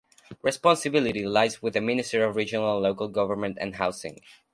Responsibility lies with the Minister of Regional and Local Government and Housing.